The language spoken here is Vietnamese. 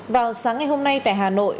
vào sáng ngày hôm nay tại hà nội